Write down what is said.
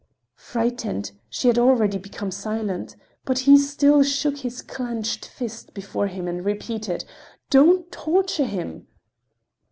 Frightened, she had already become silent, but he still shook his clenched fists before him and repeated: "Don't torture him!"